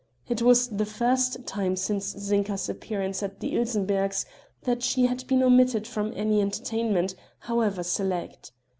It was the first time since Zinka's appearance at the Ilsenberghs' that she had been omitted from any entertainment, however select.